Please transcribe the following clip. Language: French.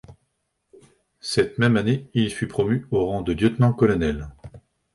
Cette même année, il fut promu au rang de lieutenant-colonel.